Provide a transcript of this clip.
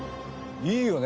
いいよね。